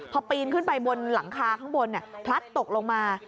พอปีนขึ้นไปบนหลังคาข้างบนพลัดตกลงมา